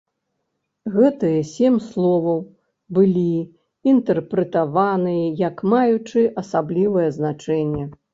Гэтыя сем словаў былі інтэрпрэтаваныя як маючыя асаблівае значэнне.